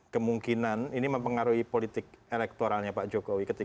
kemungkinan ini mempengaruhi politik elektoralnya pak jokowi dan ahok